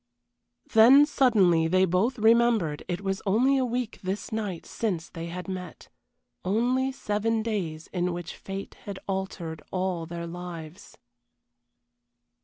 Then suddenly they both remembered it was only a week this night since they had met. Only seven days in which fate had altered all their lives.